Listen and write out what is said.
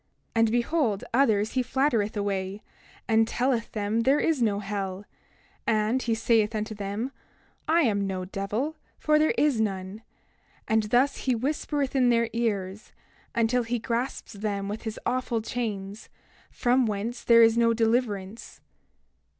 28:22 And behold, others he flattereth away, and telleth them there is no hell; and he saith unto them: I am no devil, for there is none—and thus he whispereth in their ears, until he grasps them with his awful chains, from whence there is no deliverance.